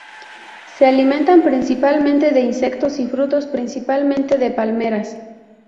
Se alimentan principalmente de insectos y frutos, principalmente de palmeras.